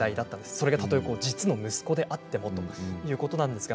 それが実の息子であってもということです。